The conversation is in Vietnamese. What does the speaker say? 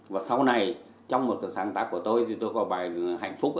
và sau này trong một sáng tác của tôi thì tôi có bài hạnh phúc